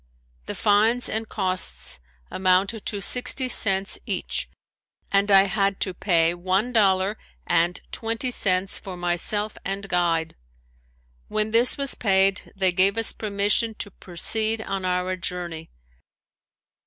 The fines and costs amounted to sixty cents each and I had to pay one dollar and twenty cents for myself and guide. When this was paid they gave us permission to proceed on our journey.